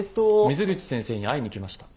水口先生に会いに来ました。